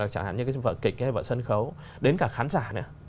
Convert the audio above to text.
chẳng hạn như cái vợ kịch hay vợ sân khấu đến cả khán giả nữa